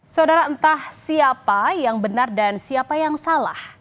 saudara entah siapa yang benar dan siapa yang salah